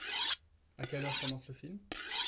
À quelle heure commence le film ?